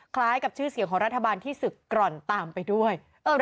คล้ายกับชื่อเสียงของรัฐบาลที่ศึกกร่อนตามไปด้วย